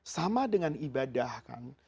sama dengan ibadah kan